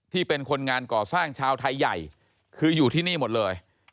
เป็นคนงานก่อสร้างชาวไทยใหญ่คืออยู่ที่นี่หมดเลย